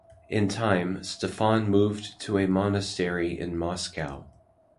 In time, Stefan moved to a monastery in Moscow.